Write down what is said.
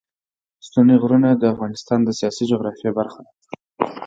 ستوني غرونه د افغانستان د سیاسي جغرافیه برخه ده.